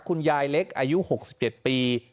คุณยายเล็กอายุ๖๗ปี